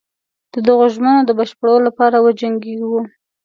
د دغو ژمنو د بشپړولو لپاره وجنګیږو.